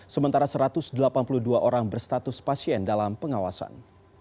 sementara satu ratus delapan puluh dua orang berstatus pasien dalam pengawasan